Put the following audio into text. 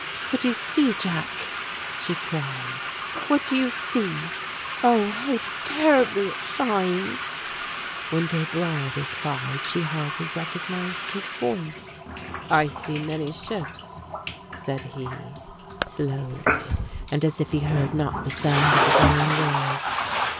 "What do you see, Jack?" she cried. "What do you see? Oh, how terribly it shines!" When Desbra replied, she hardly recognized his voice. "I see many ships," said he, slowly, and as if he heard not the sound of his own words.